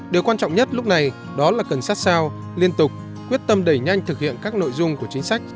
điều quan trọng nhất lúc này đó là cần sát sao liên tục quyết tâm đẩy nhanh thực hiện các nội dung của chính sách